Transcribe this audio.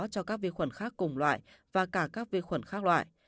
cho các vi khuẩn khác cùng loại và cả các vi khuẩn khác loại